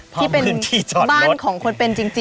พร้อมพื้นที่จอดรถที่เป็นบ้านของคนเป็นจริง